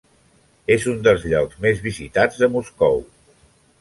És un dels llocs més visitats de Moscou.